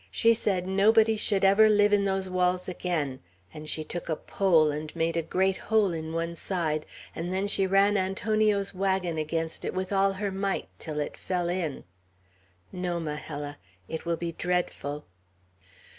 She said nobody should ever live in those walls again; and she took a pole, and made a great hole in one side, and then she ran Antonio's wagon against it with all her might, till it fell in. No, Majella. It will be dreadful."